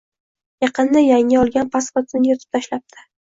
Yaqinda yangi olgan pasportini yirtib tashlabdi